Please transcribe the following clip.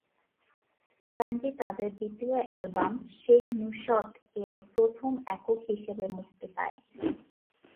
গানটি তাদের দ্বিতীয় অ্যালবাম "সেহনুশৎ" এর প্রথম একক হিসেবে মুক্তি পায়।